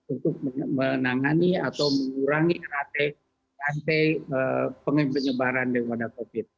untuk menangani atau mengurangi rate penyebaran covid sembilan belas